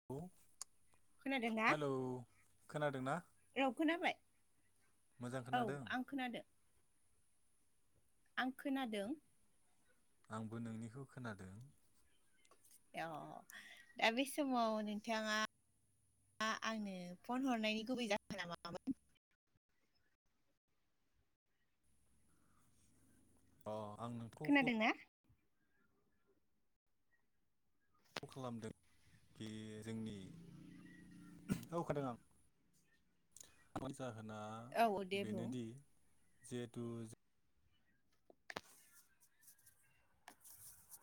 [inaudible] खोनादोंना हेलौ खोनादोंना औ खोनाबाय? मोजां औ खोनादों आं खोनादों। आं खोनादों। आंबो नोंनिखौ खोनादों। औ दा बे समाव नोंथाङा आ आंनो फन हरनायनि गुबै जा होना मामोन? अ आं नों खोनादों ना? खालामदों कि जोंनि [unintelligible] जाहोना औ औ दे बुं बेनोदि जिहेथु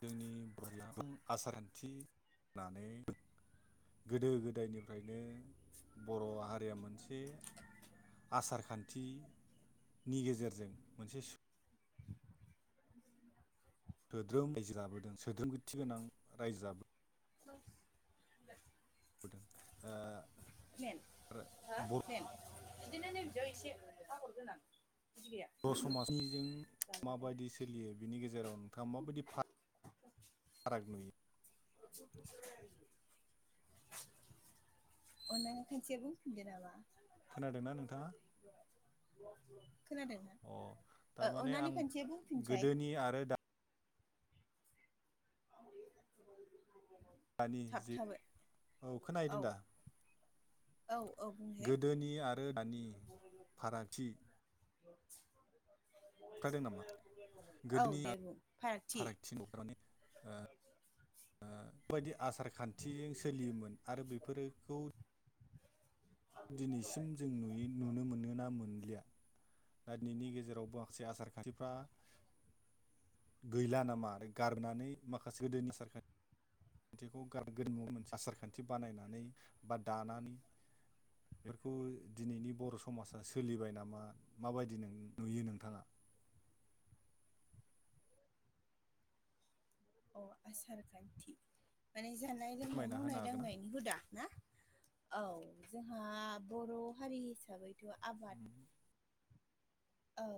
जोंनि [inaudible] आसार खान्थि होननानै। गोदो गोदायनिफ्रायनो बर' हारिया मोनसे। आसार खान्थिनि गेजेरजों मोनसे सु सोद्रोम रायजो जाबोदों सोद्रोमथि गोनां रायजो जाबो दों ओ मेन हो बर' मेन बिदिनो नै बिदियाव एसे आगर गोनां बिदि गैया बर' समाजनिजों जालादों माबायदि सोलियो बिनि गेजेराव नोंथाङा माबायदि फा फारागा नुयो [unintelligible] अननानै खनसे बुंफिनदों नामा? खोनादोंना नोंथाङा? खोनादोंना अ अननानै ओ खनसे बुंफिनसाय। नि आरो दा दानि जि थाबथाबाय औ खोनाहैदों दा? औ औ बुं गोदोनि आरो दानि फारागथि होबथादों नामा औ दे बुं फारागथि थिन [unintelligible] ओ बे बायदि आसार खान्थि सोलियोमोन आरो बेफोरखौ दिनैसिम जों नुयो नुनो मोनो ना मोनलिया दा बिनि गेजेराव माखासे आसार खान्थिफ्रा गैला नामा आरो गारनानै माखासे गोदोनि सारखान्थि [unintelligible] मोनसे आसार खान्थि बानायनानै बा दानानै बेफोरखौ दिनैनि बर समाजा सोलिबाय नामा माबायदि नुयो नोंथाङा आसार खान्थि माने जानाय लोंनाय फोरमायना होनो मावनाय हागोन ना? दांनायनि हुदा ना औ जोंहा बर हारि हिसाबैथ आबाद औ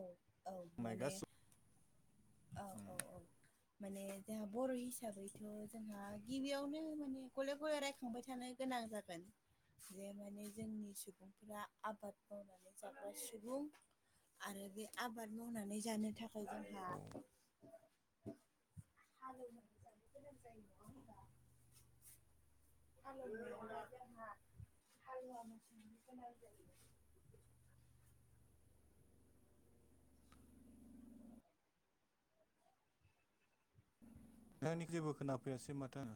औ माने औ उम औ औ माने जोंहा बर हिसाबैथ जोंहा गिबियावनो माने गले गले रायखांबाय थानाय गोनां जागोन जे माने जोंनि सुबुंफोरा आबाद मावनानै जाग्रा सुबुं आरो बे आबाद मावनानै जानो थाखाय जोंहा औ [inaudible] हालेवनानै जानो गोनां जायो नङा होमबा [inaudible] [unintelligible] नोंथांनि जेबो खोनाफैयासै माथो आं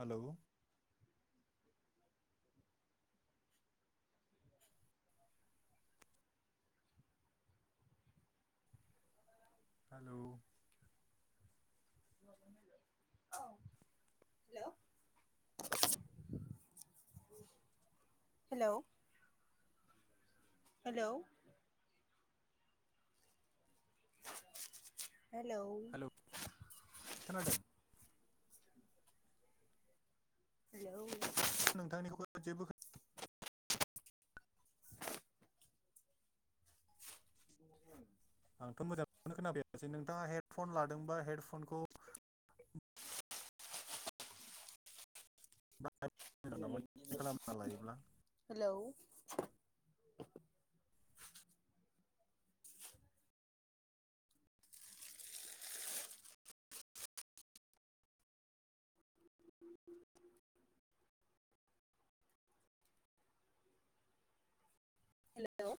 हेलौ [inaudible] हेलौ हेलौ हेलौ खोनादों [unintelligible] नोंथांनिखौ जेबो खोना आंथ मोजांखौनो खोनायासै नोंथांङा हेडफन लादोंबा हेडफनखौ बाहाय नामा खालामना लायोब्ला हेलौ हेलौ